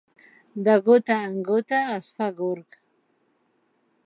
De gota en gota es fa gorg.